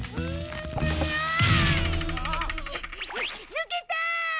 ぬけた！